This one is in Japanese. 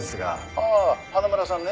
「ああ花村さんね」